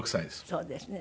そうですね。